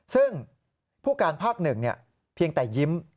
ซึ่งผู้การภาคหนึ่งเพียงแต่ยิ้ม